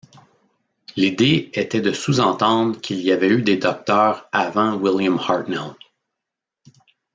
L'idée était de sous-entendre qu'il y avait eu des Docteur avant William Hartnell.